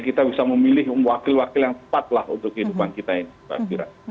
kita bisa memilih wakil wakil yang tepatlah untuk kehidupan kita ini